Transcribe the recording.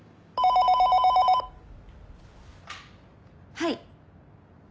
はい。